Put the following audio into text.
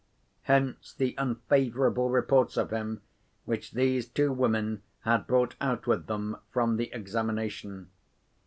Hence, the unfavourable reports of him which these two women had brought out with them from the examination.